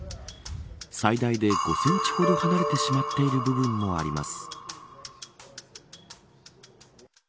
最大で５センチほど離れてしまっている部分もあります。